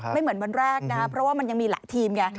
เหมือนวันแรกนะครับเพราะว่ามันยังมีหลายทีมไง